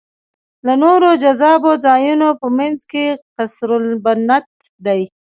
له نورو جذابو ځایونو په منځ کې قصرالبنت دی.